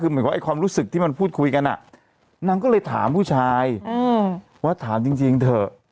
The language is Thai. คือเหมือนกับความรู้สึกที่มันพูดคุยกันนางก็เลยถามผู้ชายว่าถามจริงเถอะ